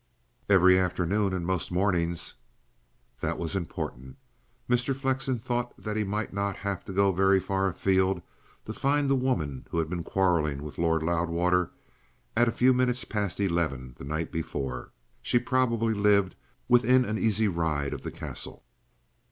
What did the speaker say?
"Every afternoon and most mornings." That was important. Mr. Flexen thought that he might not have to go very far afield to find the woman who had been quarrelling with Lord Loudwater at a few minutes past eleven the night before. She probably lived within an easy ride of the Castle.